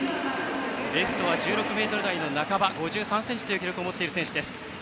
ベストは１６ｍ台半ば５３ｃｍという記録を持つ選手。